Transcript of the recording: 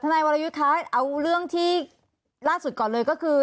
นายวรยุทธ์คะเอาเรื่องที่ล่าสุดก่อนเลยก็คือ